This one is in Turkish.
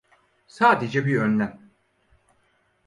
Sadece bir önlem.